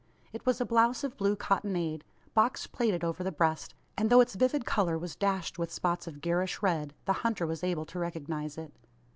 It was a blouse of blue cottonade, box plaited over the breast; and though its vivid colour was dashed with spots of garish red, the hunter was able to recognise it.